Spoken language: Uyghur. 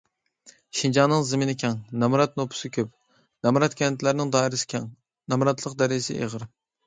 شىنجاڭنىڭ زېمىنى كەڭ، نامرات نوپۇسى كۆپ، نامرات كەنتلەرنىڭ دائىرىسى كەڭ، نامراتلىق دەرىجىسى ئېغىر.